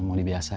masih panas tau